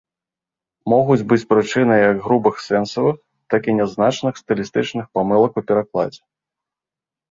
Могуць быць прычынай як грубых сэнсавых, так і нязначных стылістычных памылак у перакладзе.